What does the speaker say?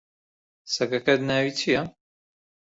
سەگەکەت ناوی چییە؟